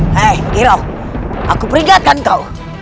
hei kilo aku peringatkan kau